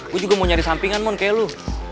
gue juga mau nyari sampingan mon kayak lo